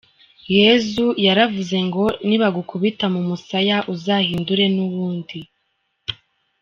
Yesu yaravuze ngo nibagukubita mu musaya, uzahindure n’uwundi.